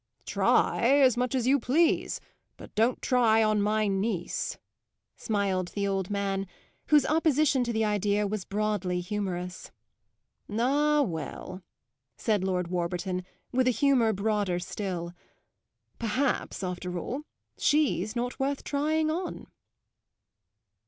"Try as much as you please, but don't try on my niece," smiled the old man, whose opposition to the idea was broadly humorous. "Ah, well," said Lord Warburton with a humour broader still, "perhaps, after all, she's not worth trying on!"